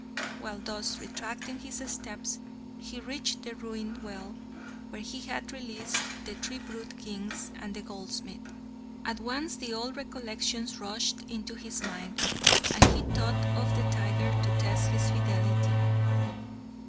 While thus retracing his steps he reached the ruined well where he had released the three brute kings and the goldsmith. At once the old recollections rushed into his mind, and he thought of the tiger to test his fidelity.